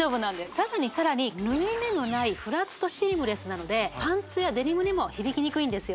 さらにさらに縫い目のないフラットシームレスなのでパンツやデニムにも響きにくいんですよ